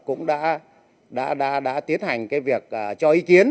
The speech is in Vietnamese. cũng đã tiến hành cái việc cho ý kiến